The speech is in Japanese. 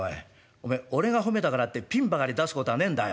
おめえ俺が褒めたからってピンばかり出すこたぁねえんだよ。